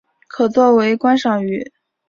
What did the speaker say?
可做为观赏鱼。